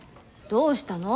どうしたの？